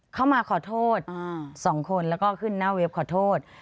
เข้ามาขอโทษ๒คนแล้วก็ขึ้นหน้าเว็บขอโทษ